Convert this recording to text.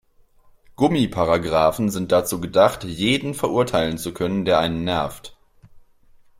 Gummiparagraphen sind dazu gedacht, jeden verurteilen zu können, der einen nervt.